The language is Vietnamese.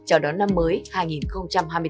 chào đón năm mới hai nghìn hai mươi bốn